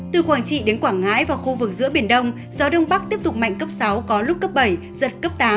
từ quảng trị đến quảng ngãi và khu vực giữa biển đông gió đông bắc tiếp tục mạnh cấp sáu có lúc cấp bảy giật cấp tám